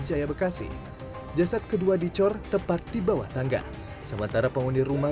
jaya bekasi jasad kedua dicor tepat di bawah tangga sementara penghuni rumah